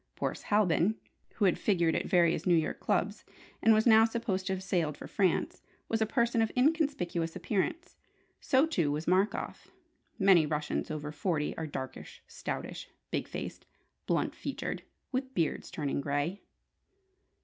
Boris Halbin (who had figured at various New York clubs, and was now supposed to have sailed for France) was a person of inconspicuous appearance. So, too, was Markoff. Many Russians over forty are "darkish, stoutish, big faced, blunt featured, with beards turning grey!"